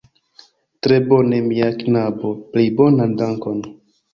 Tre bone, mia knabo, plej bonan dankon!